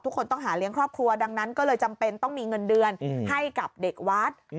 ทุกคนต้องหาเลี้ยงครอบครัวดังนั้นก็เลยจำเป็นต้องมีเงินเดือนให้กับเด็กวัด